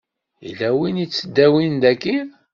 Yella win yettdawin dagi?